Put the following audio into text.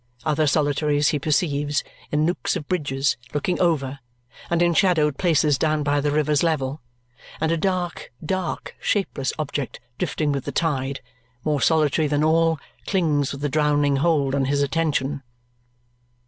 Other solitaries he perceives, in nooks of bridges, looking over; and in shadowed places down by the river's level; and a dark, dark, shapeless object drifting with the tide, more solitary than all, clings with a drowning hold on his attention.